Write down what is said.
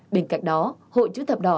bên cạnh đó hội chứa thập đỏ